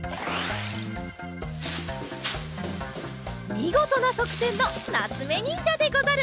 みごとなそくてんのなつめにんじゃでござる。